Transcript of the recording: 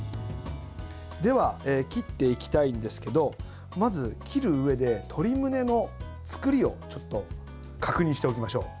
では、切っていきたいんですけどまず、切るうえで鶏むねのつくりを確認しておきましょう。